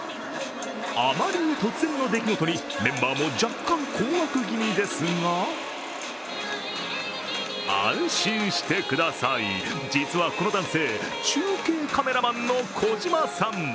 あまりに突然の出来事にメンバーも若干困惑気味ですが安心してください、実はこの男性中継カメラマンの小島さん。